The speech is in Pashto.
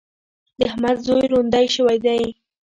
د احمد زوی روندی شوی دی.